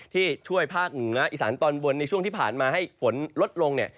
ที่ช่วยภาคเหนืออีสานตอนบนในช่วงที่ผ่านมาให้ฝนลดลงเนี่ย